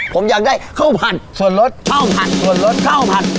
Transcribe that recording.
ผมอยากได้ข้าวผัดส่วนรสข้าวผัดส่วนรสข้าวผัด